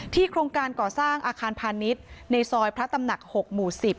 โครงการก่อสร้างอาคารพาณิชย์ในซอยพระตำหนัก๖หมู่๑๐